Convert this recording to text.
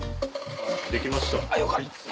できました。